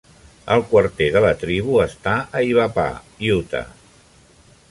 El quarter de la tribu està a Ibapah, Utah.